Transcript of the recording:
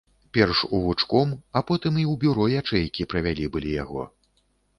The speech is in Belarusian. Перш у вучком, а потым і ў бюро ячэйкі правялі былі яго.